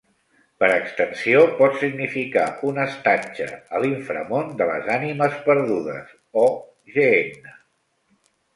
Per extensió, pot significar un estatge a l'inframón de les ànimes perdudes, o Gehenna.